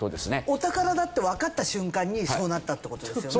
お宝だってわかった瞬間にそうなったって事ですよね？